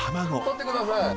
とってください。